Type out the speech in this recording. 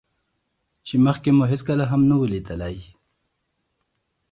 چې مخکې مو هېڅکله هم نه وو ليدلى.